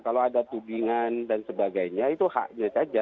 kalau ada tudingan dan sebagainya itu haknya saja